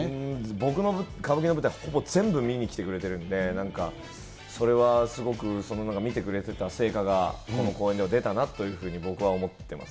僕の歌舞伎の舞台、ほぼ全部見に来てくれてるんで、なんか、それは、すごく見てくれてた成果が、この公演では出たなというふうに僕は思ってます。